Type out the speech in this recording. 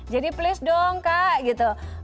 jadi please dong kak gitu